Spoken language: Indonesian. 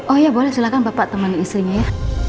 oh iya silahkan bapak teman istrinya ya